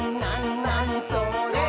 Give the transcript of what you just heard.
なにそれ？」